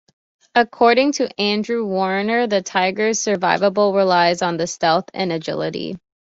According to Andrew Warner, the Tiger's survivability "relies on stealth and agility".